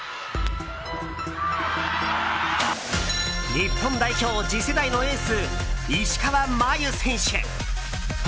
日本代表次世代のエース石川真佑選手。